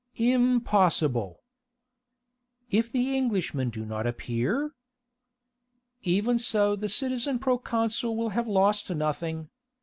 "Impossible!" "If the Englishmen do not appear?" "Even so the citizen proconsul will have lost nothing.